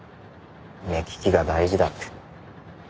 目利きが大事だって。